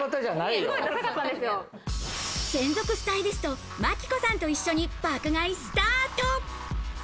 専属スタイリスト・真紀子さんと一緒に爆買いスタート。